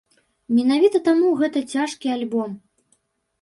Менавіта таму гэта цяжкі альбом.